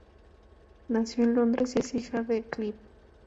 Nació en Londres y es hija de Clive.